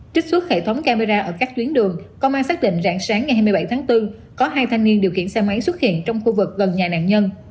trích xuất hệ thống camera ở các tuyến đường công an xác định rạng sáng ngày hai mươi bảy tháng bốn có hai thanh niên điều khiển xe máy xuất hiện trong khu vực gần nhà nạn nhân